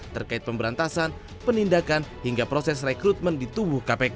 terkait pemberantasan penindakan hingga proses rekrutmen di tubuh kpk